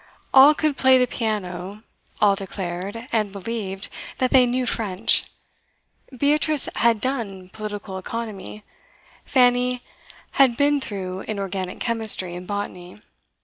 All could 'play the piano;' all declared and believed that they 'knew French.' Beatrice had 'done' Political Economy; Fanny had 'been through' Inorganic Chemistry and Botany.